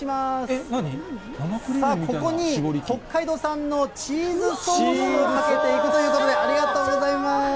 ここに北海道産のチーズソースをかけていくということで、ありがとうございます。